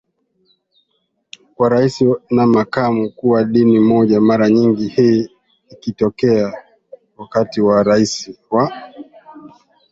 kwa Rais na Makamu kuwa dini moja mara nyingi hii ikitokea wakati Rais wa